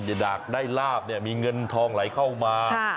อยากได้ลาบเนี่ยมีเงินทองไหลเข้ามา